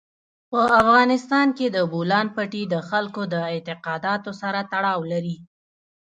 په افغانستان کې د بولان پټي د خلکو د اعتقاداتو سره تړاو لري.